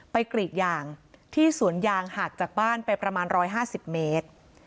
กรีดยางที่สวนยางห่างจากบ้านไปประมาณ๑๕๐เมตร